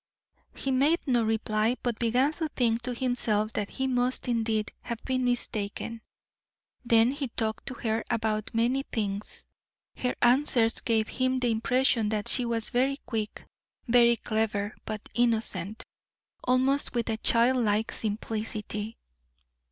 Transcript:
He made no reply, but began to think to himself that he must indeed have been mistaken. Then he talked to her about many things. Her answers gave him the impression that she was very quick, very clever, but innocent, almost with a child like simplicity.